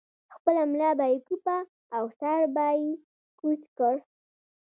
خپله ملا به یې کوپه او سر به یې کوز کړ.